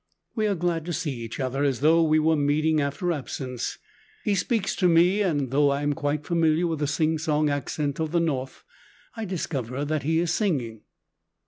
We are glad to see each other, as though we were meeting after absence! He speaks to me, and though I am quite familiar with the singsong accent of the North, I discover that he is singing.